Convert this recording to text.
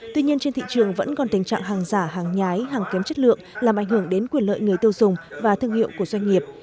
tuy nhiên trên thị trường vẫn còn tình trạng hàng giả hàng nhái hàng kém chất lượng làm ảnh hưởng đến quyền lợi người tiêu dùng và thương hiệu của doanh nghiệp